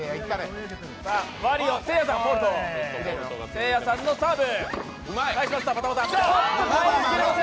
せいやさんのサーブ。